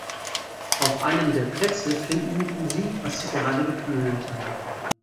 Auf einem der Plätze finden Sie, was Sie gerade geplündert haben.